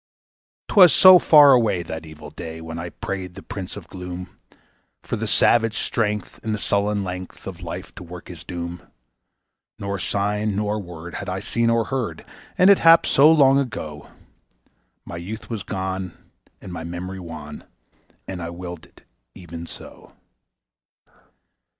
'Twas so far away, that evil day when I prayed to the Prince of Gloom For the savage strength and the sullen length of life to work his doom. Nor sign nor word had I seen or heard, and it happed so long ago; My youth was gone and my memory wan, and I willed it even so.